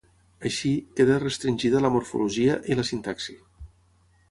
Així, queda restringida a la morfologia, i la sintaxi.